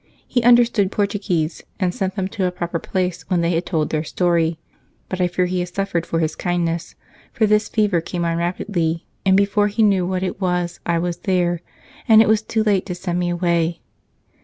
He understood Portuguese and sent them to a proper place when they had told their story. But I fear he has suffered for his kindness, for this fever came on rapidly, and before he knew what it was I was there, and it was too late to send me away.